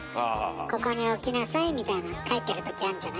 ここに置きなさいみたいなの書いてるときあんじゃない。